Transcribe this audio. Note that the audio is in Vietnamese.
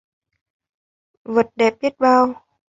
Vật đẹp biết bao!